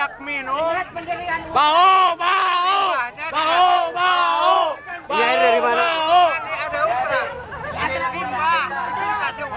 tidak layak minum